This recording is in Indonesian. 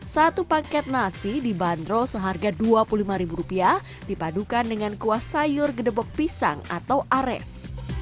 satu paket nasi dibanderol seharga dua puluh lima dipadukan dengan kuah sayur gedebok pisang atau ares